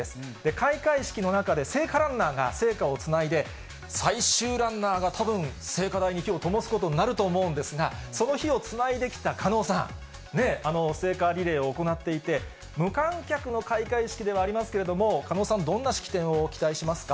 開会式の中で聖火ランナーが聖火をつないで、最終ランナーがたぶん、聖火台に火をともすことになるんだと思うんですが、その火をつないできた狩野さん、聖火リレーを行っていて、無観客の開会式ではありますけれども、狩野さん、どんな式典を期待しますか。